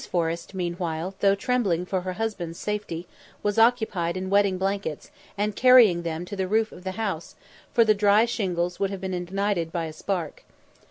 Forrest meanwhile, though trembling for her husband's safety, was occupied in wetting blankets, and carrying them to the roof of the house, for the dry shingles would have been ignited by a spark.